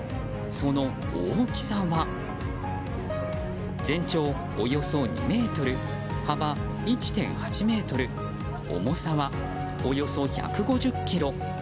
その大きさは全長およそ２ｍ、幅１．８ｍ重さはおよそ１５０ｋｇ。